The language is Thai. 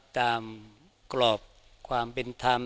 กรอบความเป็นธรรม